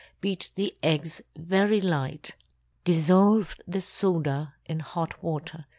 Beat the eggs very light. Dissolve the soda in hot water.